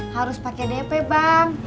harus pakai dp bang